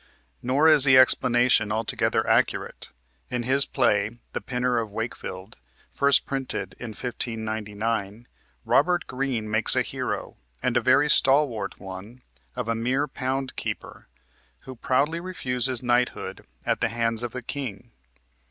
Nor is the explanation altogether accurate. In his play, the "Pinner of Wakefield," first printed in 1599, Robert Greene makes a hero, and a very stalwart one, of a mere pound keeper, who proudly refuses knighthood at the hands of the king.